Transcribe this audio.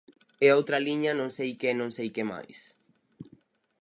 E outra liña non sei que e non sei que máis.